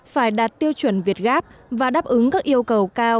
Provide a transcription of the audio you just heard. phải đạt tiêu chuẩn việt gáp và đáp ứng các yêu cầu cao